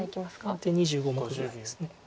大体２５目ぐらいです。